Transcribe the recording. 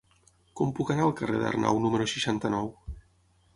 Com puc anar al carrer d'Arnau número seixanta-nou?